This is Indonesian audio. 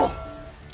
kenapa kamu diam saja